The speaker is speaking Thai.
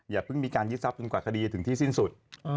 อย่าเพิ่งมีการยึดทรัพย์กว่าคดีถึงที่สิ้นสุด